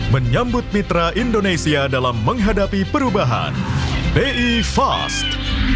menyambut mitra indonesia dalam menghadapi perubahan bi fast